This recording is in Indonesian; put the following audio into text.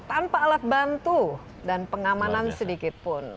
tanpa alat bantu dan pengamanan sedikit pun